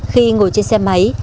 khi ngồi trên xe máy